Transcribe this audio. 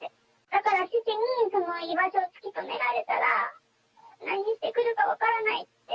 だから父に居場所を突き止められたら、何してくるか分からないって。